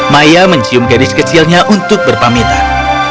maya mencium gadis kecilnya untuk berpamitan